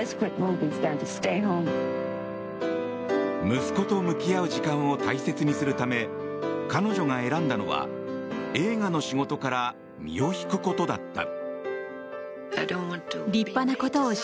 息子と向き合う時間を大切にするため彼女が選んだのは映画の仕事から身を引くことだった。